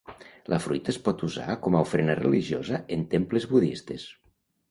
La fruita es pot usar com a ofrena religiosa en temples budistes.